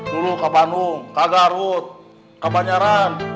dulu ke bandung ke garut ke banyaran